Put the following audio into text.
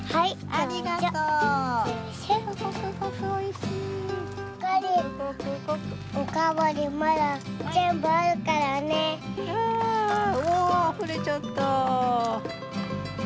あおおあふれちゃった！